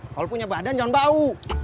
kalau punya badan jangan bau